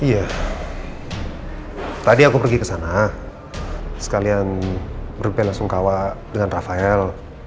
iya tadi aku pergi ke sana sekalian berbela sungkawa dengan rafael